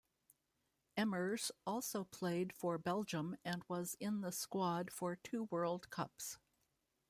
Emmers also played for Belgium and was in the squad for two World Cups.